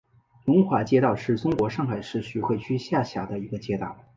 龙华街道是中国上海市徐汇区下辖的一个街道。